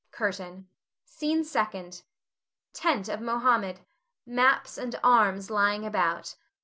] CURTAIN. SCENE SECOND. [Tent of Mohammed; _maps and arms lying about.